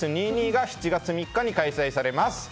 ’２２が７月３日に開催されます。